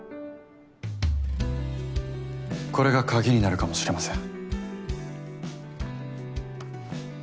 これが鍵になるかもしれません。